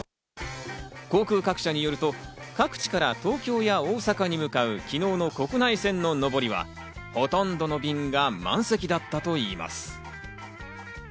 航空各社によると、各地から東京や大阪に向かう昨日の国内線の上りは、ほとんどの便が満席だったといいます。